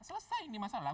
selesai ini masalah